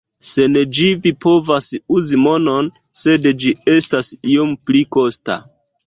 Sen ĝi, vi povas uzi monon, sed ĝi estas iom pli kosta.